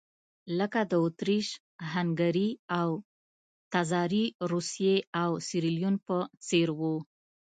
لکه د اتریش-هنګري او تزاري روسیې او سیریلیون په څېر وو.